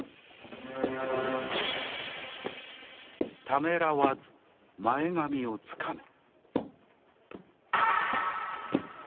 「ためらわず前髪をつかめ！」。